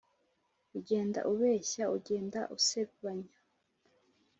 ugenda ubeshya ugenda usebanya